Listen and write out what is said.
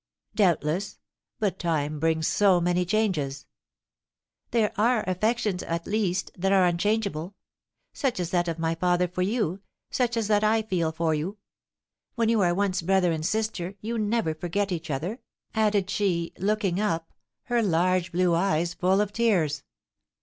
"Doubtless; but time brings so many changes." "There are affections, at least, that are unchangeable; such as that of my father for you, such as that I feel for you. When you are once brother and sister you never forget each other," added she, looking up, her large blue eyes full of tears.